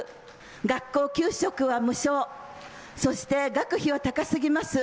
学校給食は無償、そして学費は高すぎます。